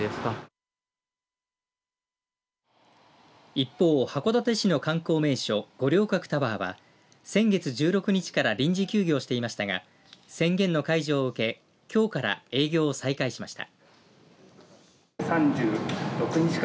一方、函館市の観光名所五稜郭タワーは、先月１６日から臨時休業していましたが宣言の解除を受け、きょうから営業を再開しました。